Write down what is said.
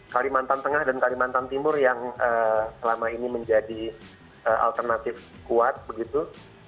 kalimantan tengah dan kalimantan timur yang selama ini menjadi alternatif kuat begitu